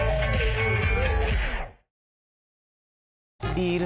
ビール